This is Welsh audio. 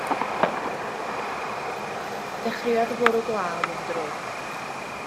Dechreuodd fwrw glaw yn drwm.